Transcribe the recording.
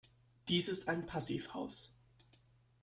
Dies ist ein Passivhaus.